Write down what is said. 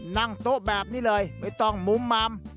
นั่งโต๊ะแบบนี้เลยไม่ต้องมุมมัม